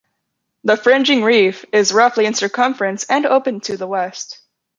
The fringing reef is roughly in circumference and open to the west.